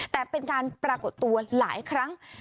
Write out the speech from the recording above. แต่เป็นการปรากฏตัวหลายครั้ง